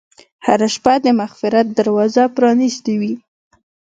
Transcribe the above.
هره شپه د مغفرت دروازه پرانستې وي.